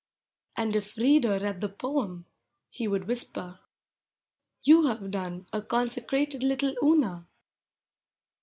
And if reader read the poem, lie would whisper, " You have done a Consecrated little Una."